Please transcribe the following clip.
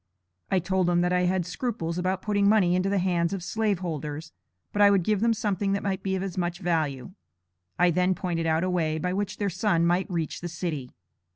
I told them that I had scruples about putting money into the hands of slave holders, but I would give them something that might be of as much value. I then pointed out a way by which their sons might reach the city.